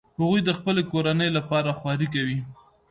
هغوی د خپلې کورنۍ لپاره خواري کوي